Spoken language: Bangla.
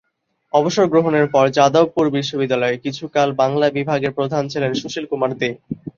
অবসর গ্রহণের পর যাদবপুর বিশ্ববিদ্যালয়ে কিছুকাল বাংলা বিভাগের প্রধান ছিলেন সুশীল কুমার দে।